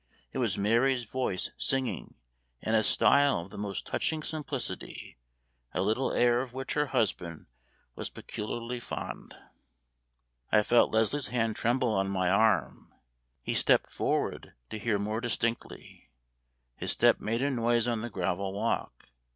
It was Mary's voice singing, in a style of the most touching simplicity, a little air of which her husband was peculiarly fond. I felt Leslie's hand tremble on my arm. He stepped forward, to hear more distinctly. His step made a noise on the gravel walk.